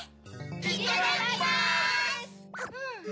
いただきます！